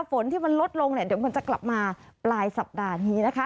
ฝนที่มันลดลงเนี่ยเดี๋ยวมันจะกลับมาปลายสัปดาห์นี้นะคะ